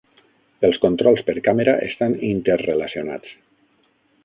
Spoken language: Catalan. Els controls per càmera estan interrelacionats.